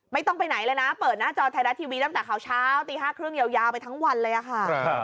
ไม่ต้องไปไหนเลยนะเปิดหน้าจอไทยรัฐทีวีตั้งแต่ข่าวเช้าตี๕๓๐ยาวไปทั้งวันเลยค่ะ